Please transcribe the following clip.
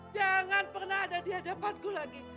jangan pernah ada di hadapanku lagi